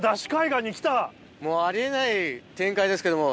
もうあり得ない展開ですけども。